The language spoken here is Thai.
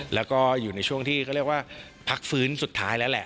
แล้วก็อยู่ในช่วงที่เขาเรียกว่าพักฟื้นสุดท้ายแล้วแหละ